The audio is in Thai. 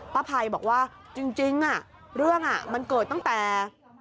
ป้าไพ่บอกว่าจริงอ่ะเรื่องอ่ะมันเกิดตั้งแต่